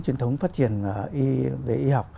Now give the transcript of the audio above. truyền thống phát triển về y học